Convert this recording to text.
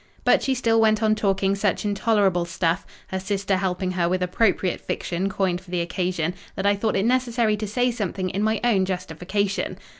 But she still went on talking such intolerable stuff—her sister helping her with appropriate fiction coined for the occasion—that I thought it necessary to say something in my own justification.